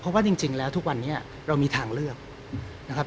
เพราะว่าจริงแล้วทุกวันนี้เรามีทางเลือกนะครับ